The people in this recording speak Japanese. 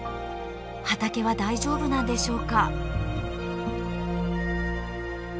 畑は大丈夫なんでしょうか。